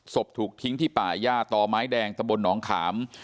ถูกทิ้งที่ป่าย่าต่อไม้แดงตะบลหนองขาม